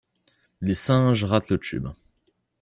Les singes ratent le tube.